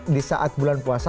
di saat bulan puasa